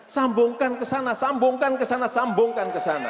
sambungkan ke sana sambungkan ke sana sambungkan ke sana